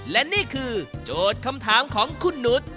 และนี่คือโจทย์คำถามของคุณนุษย์